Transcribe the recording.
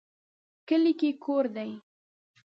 کلي کې یې کور دی